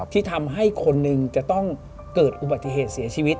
ที่ทำให้คนหนึ่งจะต้องเกิดอุบัติเหตุเสียชีวิต